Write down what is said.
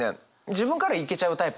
自分からいけちゃうタイプなんで。